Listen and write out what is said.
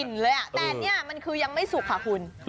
มันจะกลิ่นเลยแต่เนี่ยมันคือยังไม่สุกค่ะคุณ